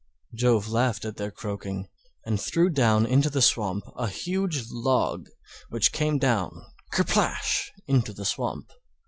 Jove laughed at their croaking, and threw down into the swamp a huge Log, which came down—kerplash—into the swamp.